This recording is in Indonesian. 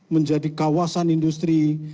menjadi kawasan industri